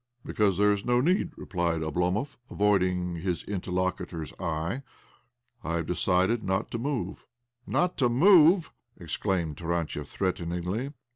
" Because there is no need," replied Oblo movj avoiding his interlocutor's eye. " I have decided not to move." "Not to move ?" exclaimed Tarantiev threateningly.